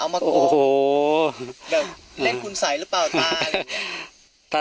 เอามากรองโอ้โหแบบเล่นคุณใสหรือเปล่าตา